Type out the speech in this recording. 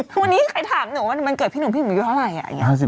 คือวันนี้ใครถามหนูว่าวันเกิดพี่หนุ่มพี่หนูอายุเท่าไหร่